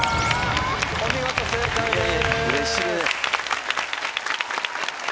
お見事正解です。